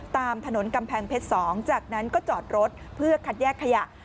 ตามถนนกำแพงเพชร๒จากนั้นก็จอดรถเพื่อคัดแยกขยะ